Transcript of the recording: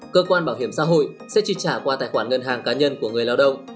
cơ quan bảo hiểm xã hội sẽ trị trả qua tài khoản ngân hàng cá nhân của người lao động